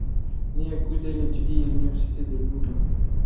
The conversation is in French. Né à Gouda, il étudie à l'université de Louvain.